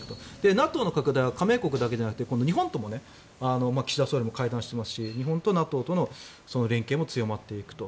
ＮＡＴＯの拡大は加盟国だけじゃなくて日本とも岸田総理は会談していますし日本とＮＡＴＯとの連携も強まっていくと。